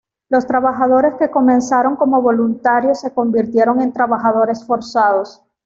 Los trabajadores que comenzaron como voluntarios se convirtieron en trabajadores forzados.